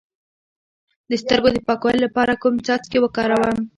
د سترګو د پاکوالي لپاره کوم څاڅکي وکاروم؟